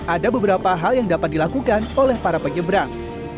ada beberapa hal yang dapat dilakukan oleh para penyebrang